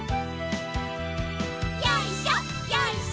よいしょよいしょ。